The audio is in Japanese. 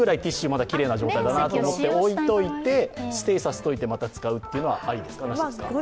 まだきれいな状態だなと思って置いておいてステイさせておいて、また使うというのはありですか、なしですか？